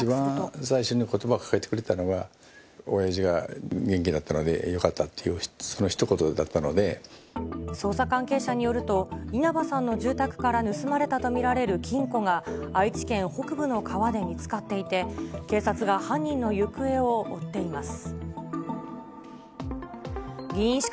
一番最初にことばを返してくれたのは、おやじが元気だったのでよかったっていうそのひと言だ捜査関係者によると、稲葉さんの住宅から盗まれたと見られる金庫が、愛知県北部の川で見つかっていて、警察が犯人の行方を追っています。